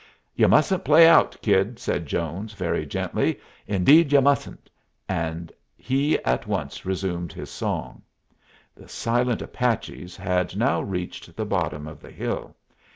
'" "Y'u mustn't play out, kid," said Jones, very gently. "Indeed y'u mustn't;" and he at once resumed his song. The silent Apaches had now reached the bottom of the hill.